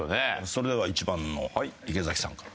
それでは１番の池さんから。